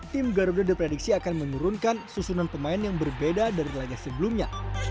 tim garuda diprediksi akan menurunkan susunan pemain yang berbeda dari laga sebelumnya